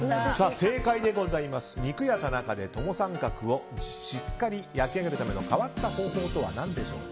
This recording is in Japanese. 正解でございますが肉屋田中でトモサンカクをしっかり焼き上げるための変わった方法とは何でしょう。